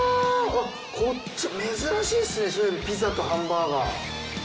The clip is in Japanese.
こっち珍しいですねシロエビのピザとハンバーガー。